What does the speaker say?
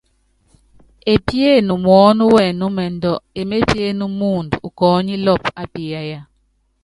Piéné muɔ́nɔ́wɛnúmɛndú, emépíéne muundɔ ukɔɔ́nílɔpɔ ápiyáya.